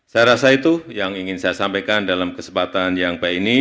saya rasa itu yang ingin saya sampaikan dalam kesempatan yang baik ini